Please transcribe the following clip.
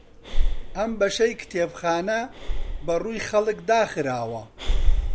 ئەم بەشەی کتێبخانە بەڕووی خەڵک داخراوە.